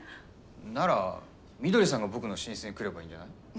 なら翠さんが僕の寝室に来ればいいんじゃない？